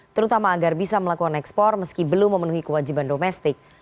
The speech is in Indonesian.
terutama agar bisa melakukan ekspor meski belum memenuhi kewajiban domestik